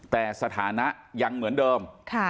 แต่สถานะยังเหมือนเดิม